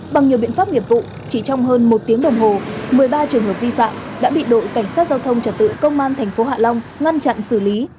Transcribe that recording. bằng nhiều biện pháp nghiệp vụ chỉ trong hơn một tiếng đồng hồ một mươi ba trường hợp vi phạm đã bị đội cảnh sát giao thông trật tự công an tp hạ long ngăn chặn xử lý